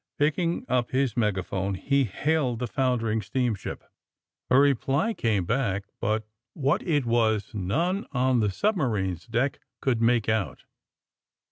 Picking up his megaphone, he hailed the foundering steamship. A reply came back, but what it was none on the submarine 's deck could make out.